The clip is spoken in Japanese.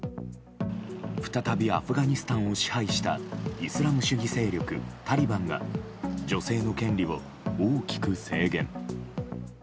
再びアフガニスタンを支配したイスラム主義勢力、タリバンが女性の権利を大きく制限。